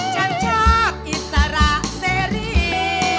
ฉันชอบอิสระเสรี